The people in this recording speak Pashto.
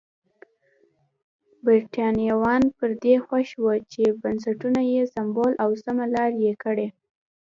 برېټانویان پر دې خوښ وو چې بنسټونه یې سمبال او سمه لار یې کړي.